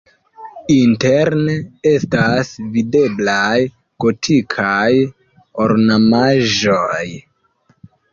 Interne estas videblaj gotikaj ornamaĵoj.